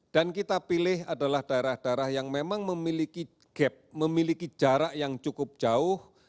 dan kita pilih adalah daerah daerah yang memang memiliki gap memiliki jarak yang cukup jauh